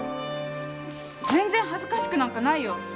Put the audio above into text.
全然恥ずかしくなんかないよ。